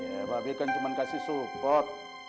iya pak be kan cuma kasih support